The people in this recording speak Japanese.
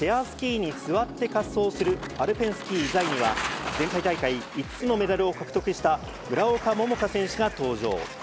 スキーに座って滑走する、アルペンスキー座位には、前回大会、５つのメダルを獲得した、村岡桃佳選手が登場。